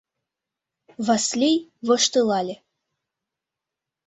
Васлий воштылале.